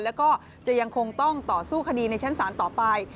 แล้วก็จะยังคงต้องต่อสู้คดีในชั้นศาลต่อไป